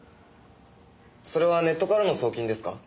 それはネットからの送金ですか？